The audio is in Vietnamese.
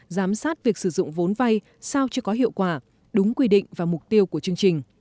giám sát việc sử dụng vốn vay sao chưa có hiệu quả đúng quy định và mục tiêu của chương trình